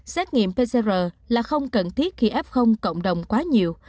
xét nghiệm pcr là không cần thiết khi f cộng đồng quá nhiều